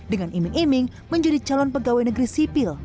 dengan iming iming menjadi calon pegawai negeri sipil